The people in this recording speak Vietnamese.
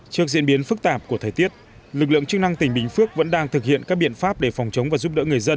trước diễn biến phức tạp của thời tiết lực lượng chức năng tỉnh bình phước vẫn đang thực hiện các biện pháp để phòng chống và giúp đỡ người dân